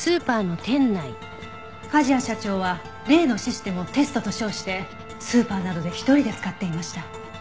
梶谷社長は例のシステムをテストと称してスーパーなどで一人で使っていました。